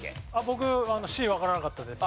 僕Ｃわからなかったです。